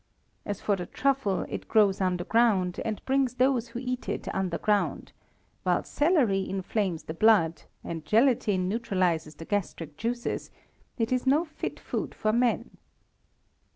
As for the truffle, it grows under ground, and brings those who eat it under ground; while celery inflames the blood, and gelatine neutralizes the gastric juices; it is no fit food for men."